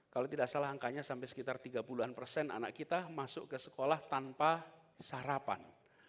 kalau tidak salah angkanya sampai sekitar tiga puluh an persen anak kita masuk ke sekolah tanpa sarapan